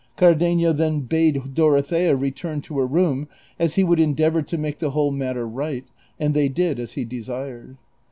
Cardenio then bade Dorothea return to her room, as he would endeavor to make the whole matter right, and they did as he desired.